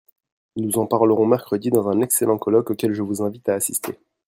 Nous en parlerons mercredi dans un excellent colloque auquel je vous invite à assister.